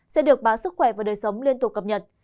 sẽ được báo sức khỏe và đời sống liên tục cập nhật